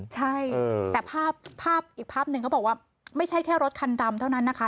ใช่แต่ภาพอีกภาพหนึ่งเขาบอกว่าไม่ใช่แค่รถคันดำเท่านั้นนะคะ